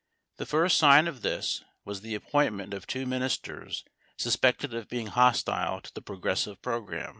The first sign of this was the appointment of two ministers suspected of being hostile to the progressive program.